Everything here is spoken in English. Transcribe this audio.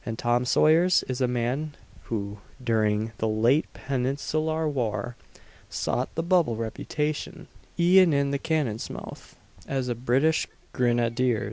Tom Sayers is a man who, during the late Peninsular war, "sought the bubble reputation, e'en in the cannon's mouth," as a British grenadier.